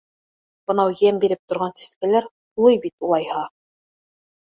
Бынау йәм биреп торған сәскәләр һулый бит улайһа.